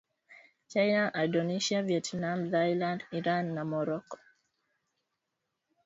China Indonesia Vietnam Thailand Iran na Morocco